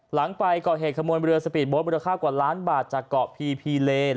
หลังไปก่อเหตุขโมยเรือสปีดโบ๊ทมูลค่ากว่าล้านบาทจากเกาะพีพีเลน